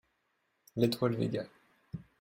L’étoile Véga.